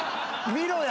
見ろや。